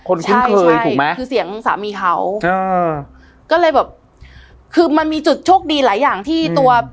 คุ้นเคยถูกไหมคือเสียงสามีเขาอ่าก็เลยแบบคือมันมีจุดโชคดีหลายอย่างที่ตัว